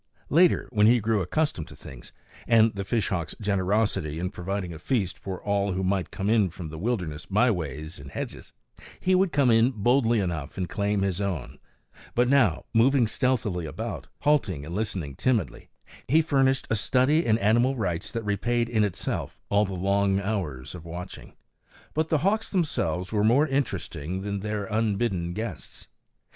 Later, when he grew accustomed to things and the fishhawks' generosity in providing a feast for all who might come in from the wilderness byways and hedges, he would come in boldly enough and claim his own; but now, moving stealthily about, halting and listening timidly, he furnished a study in animal rights that repaid in itself all the long hours of watching. But the hawks themselves were more interesting than their unbidden guests.